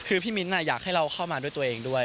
คือพี่มิ้นอยากให้เราเข้ามาด้วยตัวเองด้วย